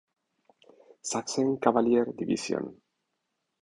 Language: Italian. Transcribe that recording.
Sachsen Kavallerie-Division".